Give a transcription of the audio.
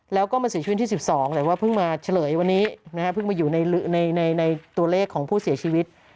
แล้วก็มาเสียชีวิตที่๑๒แต่ว่าเพิ่งมาเฉลยวันนี้นะฮะเพิ่งมาอยู่ในตัวเลขของผู้เสียชีวิต